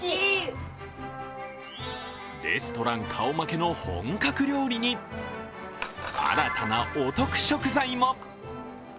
レストラン顔負けの本格料理に、新たなお得食材も。